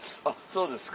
そうですか。